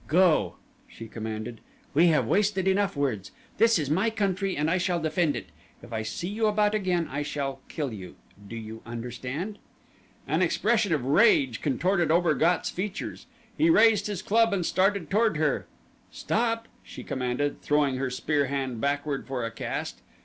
"Go!" she commanded. "We have wasted enough words. This is my country and I shall defend it. If I see you about again I shall kill you. Do you understand?" An expression of rage contorted Obergatz' features. He raised his club and started toward her. "Stop!" she commanded, throwing her spear hand backward for a cast.